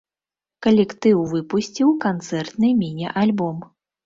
Калектыў выпусціў канцэртны міні-альбом.